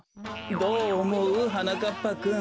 どうおもう？はなかっぱくん。